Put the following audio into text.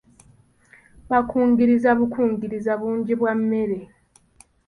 Baakungiriza bukungiriza bungi bwa mmere.